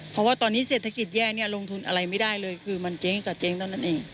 เพราะว่าตอนนี้เศรษฐกิจแย่เนี่ยลงทุนอะไรไม่ได้เลยคือมันเจ๊งกับเจ๊งเท่านั้นเอง